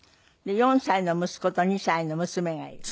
４歳の息子と２歳の娘がいる。